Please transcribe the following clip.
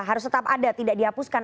harus tetap ada tidak dihapuskan